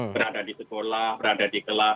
berada di sekolah berada di kelas